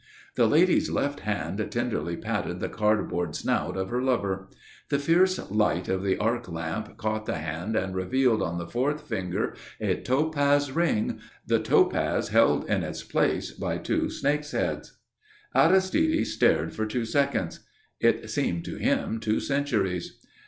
The lady's left hand tenderly patted the cardboard snout of her lover. The fierce light of the arc lamp caught the hand and revealed, on the fourth finger, a topaz ring, the topaz held in its place by two snakes' heads. Aristide stared for two seconds; it seemed to him two centuries.